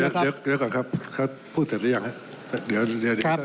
เดี๋ยวก่อนครับเขาพูดเสร็จหรือยังครับ